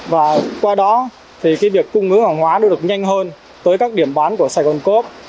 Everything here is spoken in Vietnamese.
và qua đó thì cái việc cung ứng hàng hóa nó được nhanh hơn tới các điểm bán của sài gòn cốp